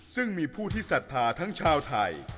ซึ่งมีผู้ทิศัตริย์ทางชาวไทย